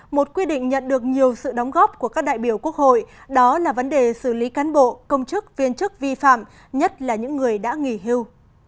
một quy định nhận được nhiều sự đóng góp của các đại biểu quốc hội đó là vấn đề xử lý cán bộ công chức viên chức vi phạm nhất là những người đã nghỉ hưu